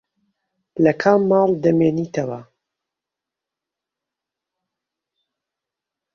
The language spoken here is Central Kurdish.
لە کام ماڵ دەمێنیتەوە؟